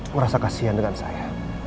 merasa kasihan dengan saya